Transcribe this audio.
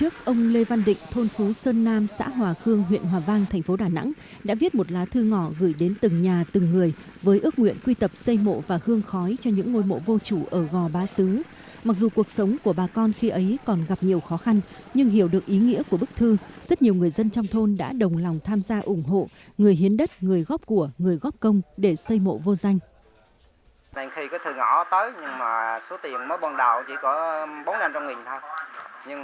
câu chuyện về người dân tỉnh nguyện quy tập xây mộ vô danh ở gò bá sứ thôn phú sơn nam xã hòa khương huyện hòa vang tp đà nẵng từ lâu đã khiến nhiều người cảm phục không chỉ lan tỏa thu hút nhiều người tự giác tham gia mà còn giúp chính quyền giữ gìn ổn định trật tự địa phương